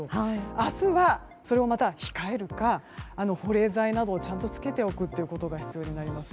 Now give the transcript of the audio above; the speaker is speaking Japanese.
明日はそれを控えるか保冷材などをちゃんとつけておくことが必要になります。